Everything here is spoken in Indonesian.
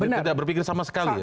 tidak berpikir sama sekali ya